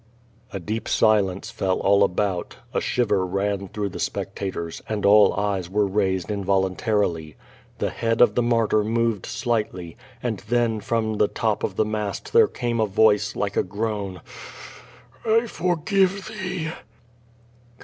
A deep si lence fell all about; a shiver ran through the spectators, and all eyes were raised involuntarily. The head of the martyr moved slightly, and then from the top of the mast there came a voice like a groan: "I forgive thee."